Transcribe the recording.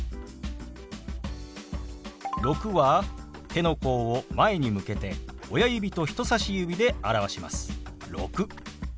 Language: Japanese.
「６」は手の甲を前に向けて親指と人さし指で表します。